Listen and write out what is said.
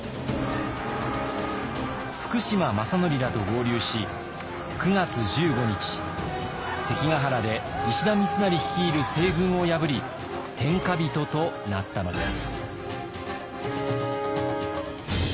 福島正則らと合流し９月１５日関ヶ原で石田三成率いる西軍を破り天下人となったのです。